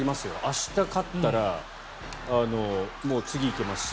明日勝ったら次、行けますし。